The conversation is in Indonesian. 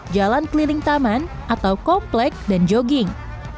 jalan keliling taman atau komplek dan jogging